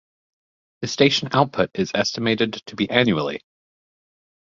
The station output is estimated to be annually.